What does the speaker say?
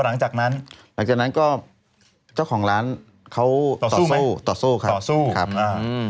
หลังจากนั้นหลังจากนั้นก็เจ้าของร้านเขาต่อสู้ต่อสู้ครับต่อสู้ครับอ่าอืม